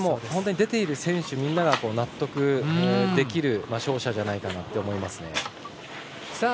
本当に出ている選手みんなが納得できる勝者じゃないかなと思います。